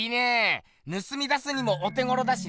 ぬすみ出すにもお手ごろだしな！